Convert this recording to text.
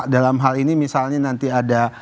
dalam hal ini misalnya nanti ada